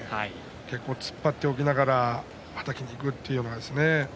結構突っ張っておきながらはたきにいくというね。